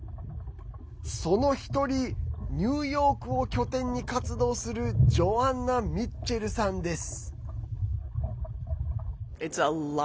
その１人ニューヨークを拠点に活動するジョアンナ・ミッチェルさんです。